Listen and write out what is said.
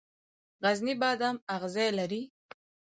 غرنی بادام اغزي لري؟